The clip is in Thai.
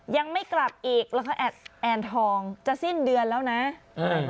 ยังไม่กลับอีกแล้วก็แอดแอนทองจะสิ้นเดือนแล้วนะอ่า